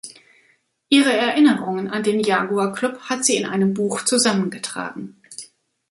Ihre Erinnerungen an den Jaguar-Club hat sie in einem Buch zusammengetragen.